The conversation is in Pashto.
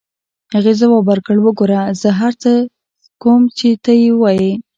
هغې ځواب راکړ: وګوره، زه هر هغه څه کوم چې ته یې وایې.